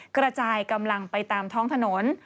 กระจายกำลังไปตามท้องถนน